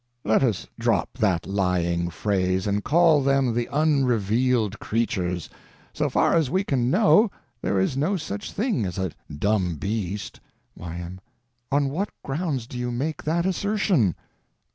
Let us drop that lying phrase, and call them the Unrevealed Creatures; so far as we can know, there is no such thing as a dumb beast. Y.M. On what grounds do you make that assertion?